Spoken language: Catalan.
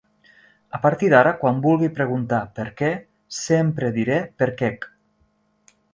A partir d'ara quan vulgui preguntar per què sempre diré per quec.